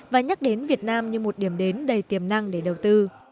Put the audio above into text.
và nhắc đến việt nam như một điểm đến đầy tiềm năng để đầu tư